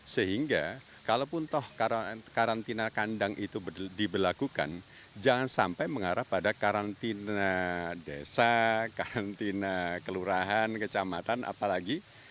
sehingga kalaupun toh karantina kandang itu diberlakukan jangan sampai mengarah pada karantina desa karantina kelurahan kecamatan apalagi